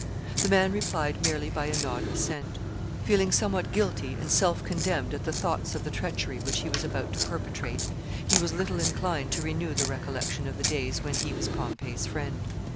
The man replied merely by a nod of assent. Feeling somewhat guilty and self condemned at the thoughts of the treachery which he was about to perpetrate, he was little inclined to renew the recollection of the days when he was Pompey's friend.